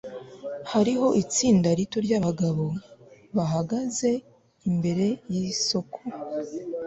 hariho itsinda rito ryabagabo bahagaze imbere yisoko